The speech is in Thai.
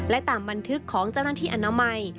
และตามบันทึกของเจ้าหน้าที่อนามัย